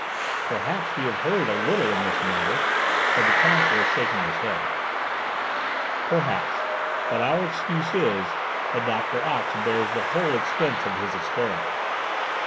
"Perhaps we have hurried a little in this matter," said the counsellor, shaking his head. "Perhaps. But our excuse is, that Doctor Ox bears the whole expense of his experiment.